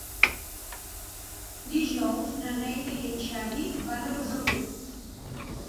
Dijous na Neida i en Xavi van a Besalú.